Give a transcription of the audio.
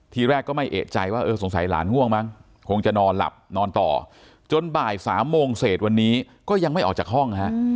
ทีแรกก็ไม่เอกใจว่าเออสงสัยหลานง่วงมั้งคงจะนอนหลับนอนต่อจนบ่าย๓โมงเศษวันนี้ก็ยังไม่ออกจากห้องฮะ